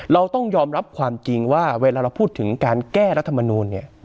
เราต้องยอมรับความจริงว่าเวลาเราพูดถึงการแก้รัฐมนูลเนี่ย